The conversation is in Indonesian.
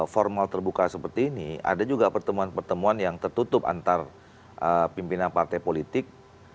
formal terbuka seperti ini ada juga pertemuan pertemuan yang tertutup antar pimpinan partai politik